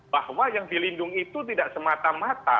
bahwa yang dilindungi itu tidak semata mata